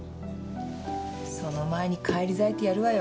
その前に返り咲いてやるわよ。